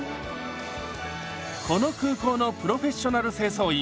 この空港のプロフェッショナル清掃員